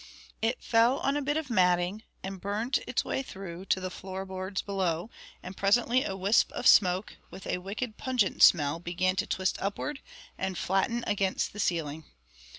It fell on a bit of matting, and burnt its way through to the floor boards below; and presently a wisp of smoke, with a wicked pungent smell, began to twist upward and flatten against the ceiling.